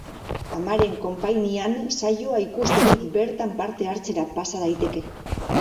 Amaren konpainian saioa ikustetik bertan parte hartzera pasa daiteke.